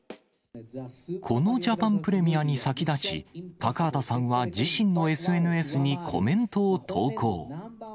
このジャパンプレミアに先立ち、高畑さんは自身のＳＮＳにコメントを投稿。